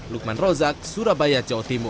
lukman rozak surabaya jawa timur